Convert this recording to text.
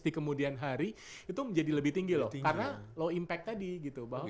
di kemudian hari itu menjadi lebih tinggi loh karena low impact tadi gitu bahwa